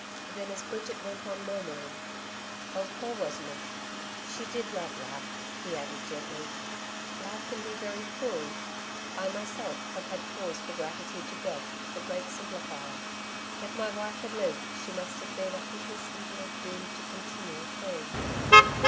Then as Bridget went on murmuring, 'Oh, poor Rosamond, she did love life,' he added gently. 'Life can be very cruel.... I myself have had cause for gratitude to Death, the great Simplifier. If my wife had lived she must have been a hopeless invalid doomed to continual pain.'